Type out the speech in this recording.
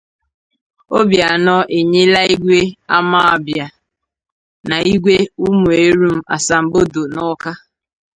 Obianọ enyela Igwe Amawbia na Igwe Umuerum asambodo n'Awka